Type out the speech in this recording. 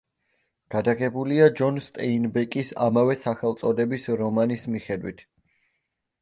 გადაღებულია ჯონ სტეინბეკის ამავე სახელწოდების რომანის მიხედვით.